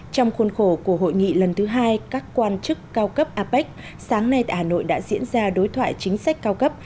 trong khuôn khổ của hội nghị lần thứ hai các quan chức cao cấp apec sáng nay tại hà nội đã diễn ra đối thoại chính sách cao cấp